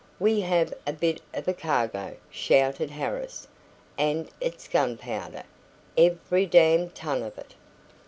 We have a bit of a cargo," shouted Harris; "and it's gunpowder every damned ton of it!"